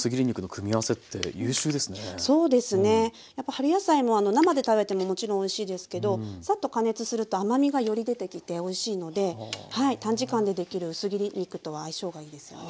春野菜も生で食べてももちろんおいしいですけどサッと加熱すると甘みがより出てきておいしいので短時間でできる薄切り肉とは相性がいいですね。